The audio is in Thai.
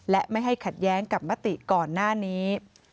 และไม่ให้ขัดแย้งกับมติก่อนหน้านี้